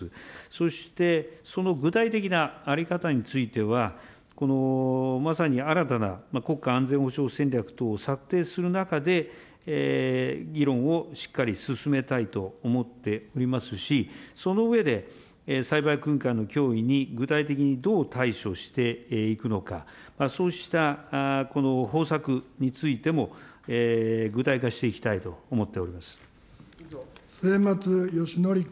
そして、その具体的な在り方については、まさに新たな国家安全保障戦略等を策定する中で、議論をしっかり進めたいと思っておりますし、その上で、サイバー空間の脅威に具体的にどう対処していくのか、そうしたこの方策についても、具体化していきたいと思っております。